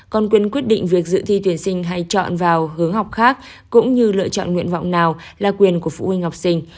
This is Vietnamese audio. còn quyên quyết định việc dự thi tuyển sinh hay chọn vào hướng học khác cũng như lựa chọn nguyện vọng nào là quyền của phụ huynh học sinh